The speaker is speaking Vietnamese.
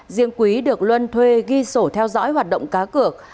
riêng quý được luân thuê ghi sổ theo dõi hoạt động cá cược